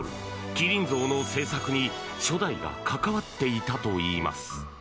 麒麟像の制作に初代が関わっていたといいます。